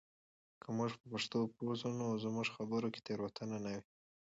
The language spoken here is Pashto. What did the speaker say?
که موږ په پښتو پوه سو نو زموږ په خبرو کې تېروتنه نه وي.